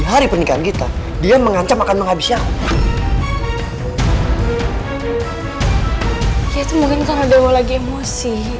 hari pernikahan kita dia mengancam akan menghabiskan yaitu mungkin karena dia lagi emosi